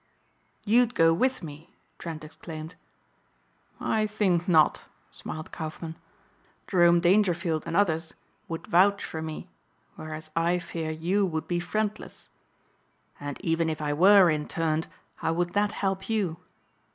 "You'd go with me," Trent exclaimed. "I think not," smiled Kaufmann. "Jerome Dangerfield and others would vouch for me whereas I fear you would be friendless. And even if I were interned how would that help you?